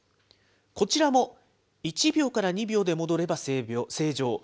こちらも１秒から２秒で戻れば正常。